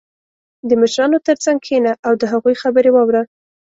• د مشرانو تر څنګ کښېنه او د هغوی خبرې واوره.